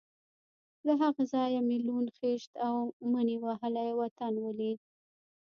له هغه ځایه مې لوند، خېشت او مني وهلی وطن ولید.